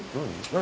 何？